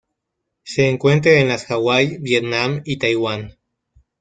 Se encuentra en las Hawaii, Vietnam y Taiwán.